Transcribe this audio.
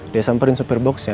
dia samperin supir boxnya